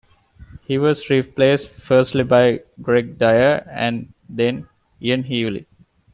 He was replaced firstly by Greg Dyer and then Ian Healy.